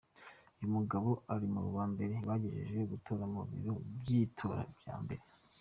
Uyu mugabo ari muba mbere bahejeje gutora ku biro vy’itora vya Mbale.